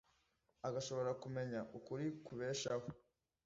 agashobora kumenya ukuri kubeshaho.